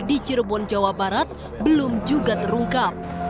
di cirebon jawa barat belum juga terungkap